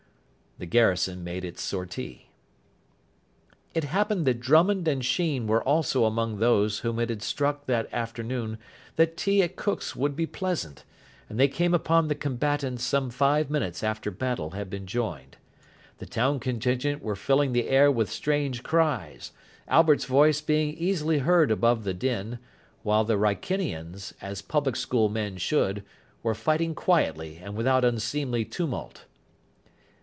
The garrison made its sortie. It happened that Drummond and Sheen were also among those whom it had struck that afternoon that tea at Cook's would be pleasant; and they came upon the combatants some five minutes after battle had been joined. The town contingent were filling the air with strange cries, Albert's voice being easily heard above the din, while the Wrykinians, as public school men should, were fighting quietly and without unseemly tumult.